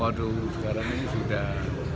waduh sekarang ini sudah